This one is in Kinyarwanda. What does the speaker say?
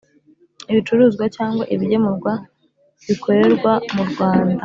ibicuruzwa cyangwa ibigemurwa bikorerwa mu Rwanda